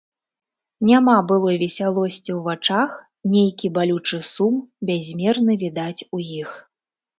Няма былой весялосці ў вачах, нейкі балючы сум бязмерны відаць у іх.